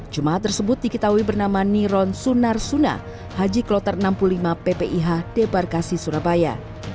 jemaah tersebut diketahui bernama niron sunarsuna haji kloter enam puluh lima ppih debarkasi surabaya